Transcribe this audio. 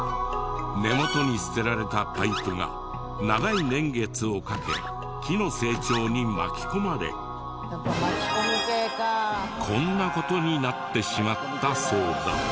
根元に捨てられたパイプが長い年月をかけ木の成長に巻き込まれこんな事になってしまったそうだ。